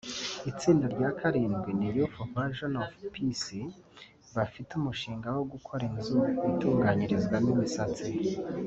Itsinda rya karindwi ni youth vision of Peace bafite umushinga wo gukora inzu itunganyirizwamo imisatsi